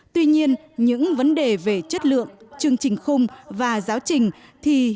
tuy nhiên những vấn đề về chất lượng chương trình khung và giáo trình thì